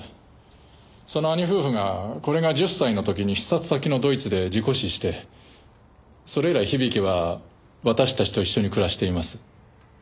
その兄夫婦がこれが１０歳の時に視察先のドイツで事故死してそれ以来響は私たちと一緒に暮らしています。